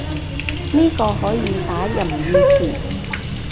呢個可以打任意詞